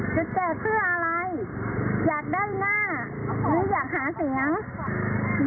แจกเพื่ออะไรอยากได้หน้านี้อยากหาเสียง